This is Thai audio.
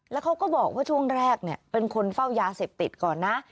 แล้วเขาก็บอกว่าช่วงแรกเป็นคนเฝ้ายาเสพติดก่อนนะ